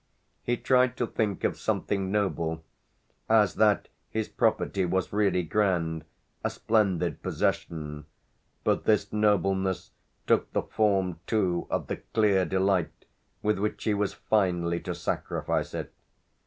He tried to think of something noble, as that his property was really grand, a splendid possession; but this nobleness took the form too of the clear delight with which he was finally to sacrifice it.